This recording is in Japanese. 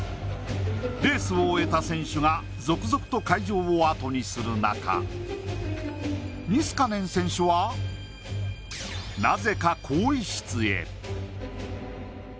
レースを終えた選手が続々と会場をあとにする中ニスカネン選手はなぜか、更衣室へ。